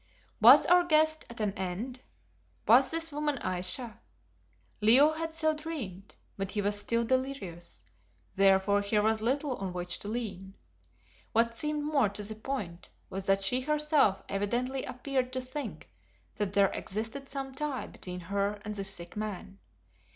Was our quest at an end? Was this woman Ayesha? Leo had so dreamed, but he was still delirious, therefore here was little on which to lean. What seemed more to the point was that she herself evidently appeared to think that there existed some tie between her and this sick man.